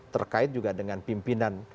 terkait juga dengan pimpinan